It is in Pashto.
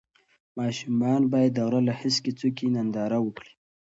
ماشومان باید د غره له هسکې څوکې ننداره وکړي.